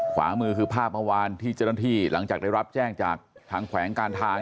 ขวามือคือภาพเมื่อวานที่เจ้าหน้าที่หลังจากได้รับแจ้งจากทางแขวงการทาง